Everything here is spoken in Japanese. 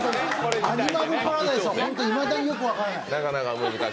「アニマルパラダイス」はホントにいまだによく分からない。